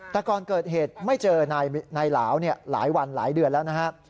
แต่ก่อนเกิดเหตุไม่เจอนายหลาวหลายวันหลายเดือนแล้วนะฮะ